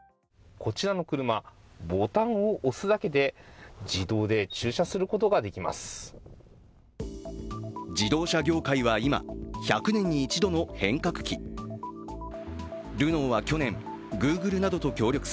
こちらの車、ボタンを押すだけで自動で駐車することができます。